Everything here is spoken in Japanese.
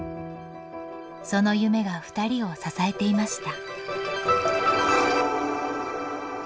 その夢がふたりを支えていました。